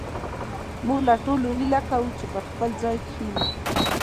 موږ له ټولو هيله کوو چې پر خپل ځاى کښېنئ